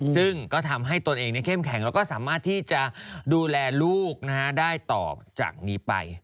ซึ่งก็ทำให้ตนเองเข้มแข็งแล้วก็สามารถที่จะดูแลลูกได้ต่อจากนี้ไป